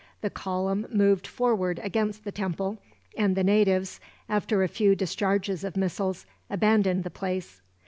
The column moved forward against the temple, and the natives, after a few discharges of missiles, abandoned the place.